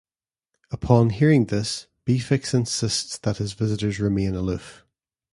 Upon hearing this, Beefix insists that his visitors remain aloof.